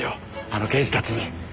あの刑事たちに。